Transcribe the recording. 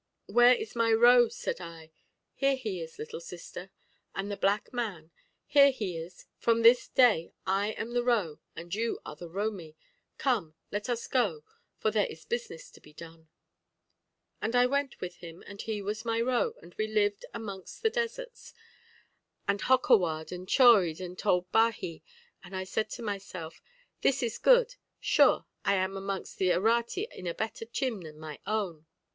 'Where is my ro?' said I. 'Here he is, little sister,' said the black man, 'here he is; from this day I am the ro and you are the romi. Come, let us go, for there is business to be done.' "And I went with him, and he was my ro, and we lived amongst the deserts, and hokkawar'd and choried and told baji; and I said to myself, 'This is good; sure, I am amongst the Errate in a better chim than my own.'